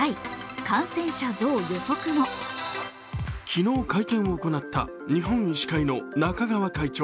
昨日、会見を行った日本医師会の中川会長。